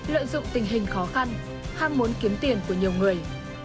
lợi dụng tình hình khó khăn ham muốn kiếm tiền của nhiều người